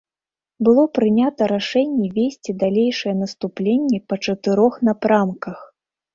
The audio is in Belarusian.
Было прынята рашэнне весці далейшае наступленне па чатырох напрамках.